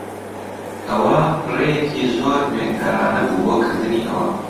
ئەوە ڕێیەکی زۆر نوێکارانە بوو بۆ کردنی ئەوە.